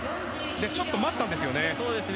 ちょっと待ったんですよね。